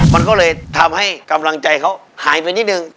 มันก็เลยทำให้กำลังใจเขาหายไปนิดนึง